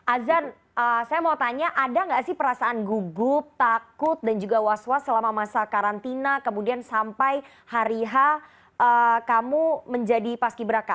azan saya mau tanya ada nggak sih perasaan gugup takut dan juga was was selama masa karantina kemudian sampai hari h kamu menjadi paski beraka